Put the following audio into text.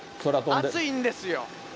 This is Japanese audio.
暑いんですよ。